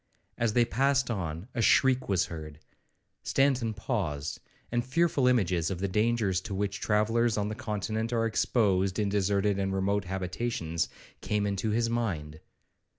As they passed on, a shriek was heard. Stanton paused, and fearful images of the dangers to which travellers on the Continent are exposed in deserted and remote habitations, came into his mind.